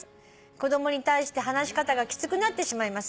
子供に対して話し方がきつくなってしまいます」